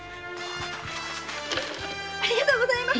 ありがとうございます‼